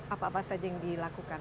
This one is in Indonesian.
apa apa saja yang dilakukan